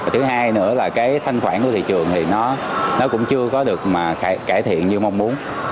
thứ hai nữa là cái thanh khoản của thị trường thì nó cũng chưa có được mà cải thiện như mong muốn